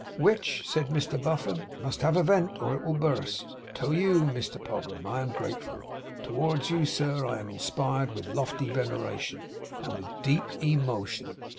'Which,' said Mr Buffum, 'must have vent, or it will bust. Toe you, Mr Pogram, I am grateful. Toe wards you, sir, I am inspired with lofty veneration, and with deep e mo tion.